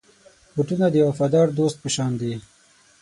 بوټونه د وفادار دوست په شان دي.